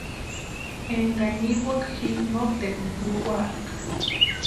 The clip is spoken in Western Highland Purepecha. Énkani niwaka ji noteruni junkwaaka.